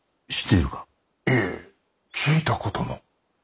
いえ聞いたことも。